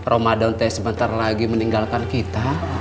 romadhon teh sebentar lagi meninggalkan kita